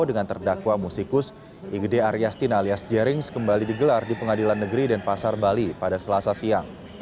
dengan terdakwa musikus igd aryastina alias jerings kembali digelar di pengadilan negeri denpasar bali pada selasa siang